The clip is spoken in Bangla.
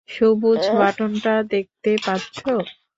সবুজ বাটনটা দেখতে পাচ্ছো?